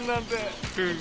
うん！